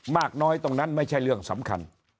มากน้อยตรงนั้นไม่ใช่เรื่องสำคัญ